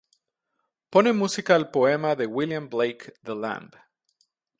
Pone música al poema de William Blake "The Lamb".